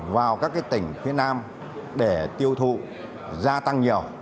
vào các tỉnh phía nam để tiêu thụ gia tăng nhiều